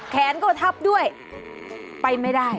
แขนก็ทับด้วยไปไม่ได้